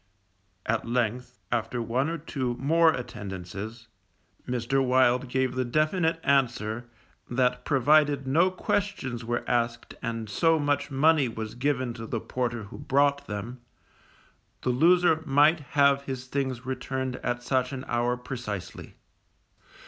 _ At length, after one or two more attendances, Mr. Wild gave the definite answer, that provided no questions were asked and so much money was given to the porter who brought them, the loser might have his things returned at such an hour precisely.